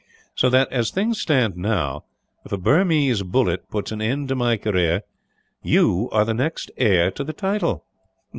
"So that, as things stand now, if a Burmese bullet puts an end to my career, you are the next heir to the title."